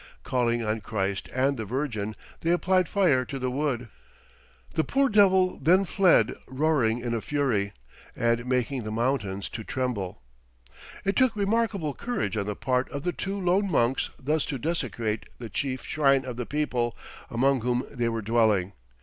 Calling on Christ and the Virgin, they applied fire to the wood. "The poor Devil then fled roaring in a fury, and making the mountains to tremble." It took remarkable courage on the part of the two lone monks thus to desecrate the chief shrine of the people among whom they were dwelling.